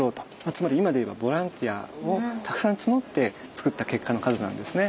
つまり今でいえばボランティアをたくさん募ってつくった結果の数なんですね。